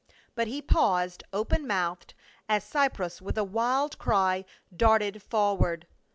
But he paused open mouthed as Cypres with a wild cry darted for ward.